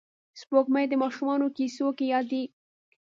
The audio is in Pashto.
سپوږمۍ د ماشومانو کیسو کې یادېږي